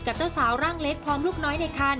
เจ้าสาวร่างเล็กพร้อมลูกน้อยในคัน